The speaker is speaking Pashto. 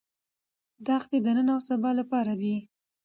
دښتې د نن او سبا لپاره دي.